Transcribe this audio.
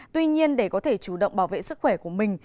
tuy nhiên để có thể chủ động bảo vệ sức khỏe của mình